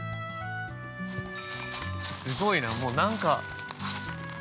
◆すごいな、もうなんか。